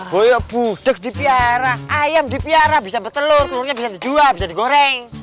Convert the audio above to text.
boy pudek dipiara ayam dipiara bisa bertelur telurnya bisa dijual bisa digoreng